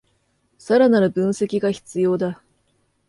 さらなる分析が必要だ